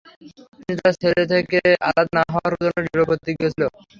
তিনি তার ছেলে থেকে আলাদা না হওয়ার জন্য দৃঢ়প্রতিজ্ঞ ছিলেন।